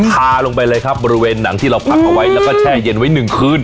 ทาลงไปเลยครับบริเวณหนังที่เราพักเอาไว้แล้วก็แช่เย็นไว้๑คืน